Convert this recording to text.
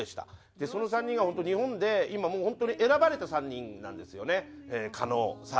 その３人が本当に日本で今もう本当に選ばれた３人なんですよね。